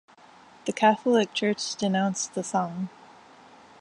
The Catholic church denounced the song.